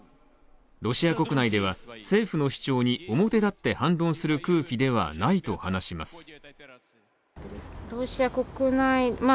ロシア国内では政府の主張に表立って反論する空気ではないと話します。